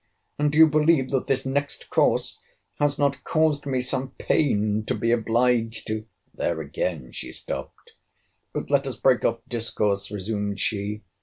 —And do you believe that this next course has not caused me some pain to be obliged to— There again she stopt. But let us break off discourse, resumed she.